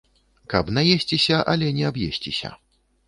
Каб наесціся, але не аб'есціся.